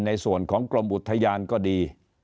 ในส่วนของกรมอุทยานก็ดี